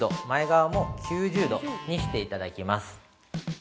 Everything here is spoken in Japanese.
前側も９０度にしていただきます。